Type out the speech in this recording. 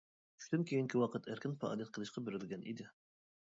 چۈشتىن كېيىنكى ۋاقىت ئەركىن پائالىيەت قىلىشقا بېرىلگەن ئىدى.